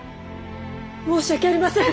申し訳ありません！